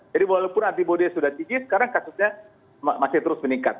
jadi walaupun antibody sudah tinggi sekarang kasusnya masih terus meningkat